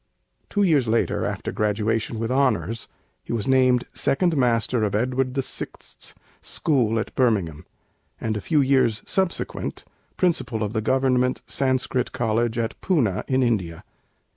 Two years later, after graduation with honors, he was named second master of Edward the Sixth's School at Birmingham; and, a few years subsequent, principal of the Government Sanskrit College at Poona, in India.